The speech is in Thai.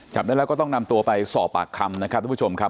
จับได้แล้วก็ต้องนำตัวไปสอบปากคำนะครับทุกผู้ชมครับ